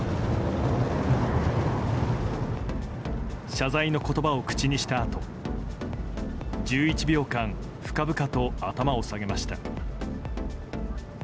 謝罪の言葉を口にしたあと１１秒間、深々と頭を下げました。